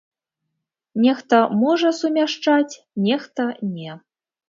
Нехта можа сумяшчаць, нехта не.